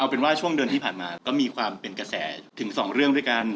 เป็นว่าช่วงเดือนที่ผ่านมาก็มีความเป็นกระแสถึง๒เรื่องด้วยกัน